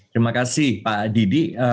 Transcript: terima kasih pak didi